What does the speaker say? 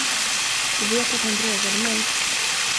Du vet att hon drogade mig.